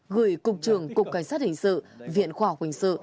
gửi cục trưởng cục cảnh sát hình sự viện khoa học hình sự